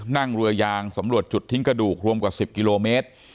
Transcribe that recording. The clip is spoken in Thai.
นั่งเรือยางสำรวจจุดทิ้งกระดูกรวมกว่า๑๐กิโลเมตร